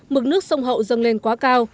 mực nước sông hậu dâng lên quá cao